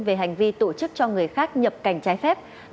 về hành vi tổ chức cho người khác nhập cảnh trái phép